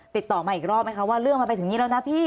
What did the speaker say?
ติดต่อมาอีกรอบไหมคะว่าเรื่องมันไปถึงนี้แล้วนะพี่